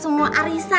memang tau ya